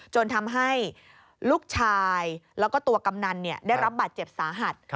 จนทำให้ลูกชายแล้วก็ตัวกำนันได้รับบาดเจ็บสาหัส